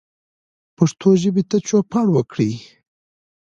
پښتو ژبې ته چوپړ وکړئ